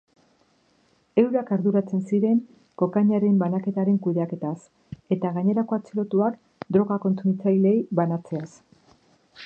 Eurak arduratzen ziren kokainaren banaketaren kudeaketaz, eta gainerako atxilotuak droga kontsumitzaileei banatzeaz.